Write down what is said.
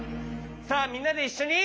さあみんなでいっしょに。